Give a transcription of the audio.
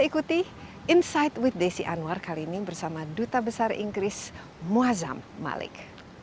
ikuti insight with desi anwar kali ini bersama duta besar inggris muazzam malik